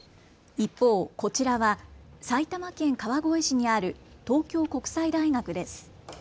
一方、こちらは埼玉県川越市にある東京国際大学です。